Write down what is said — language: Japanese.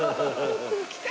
来た！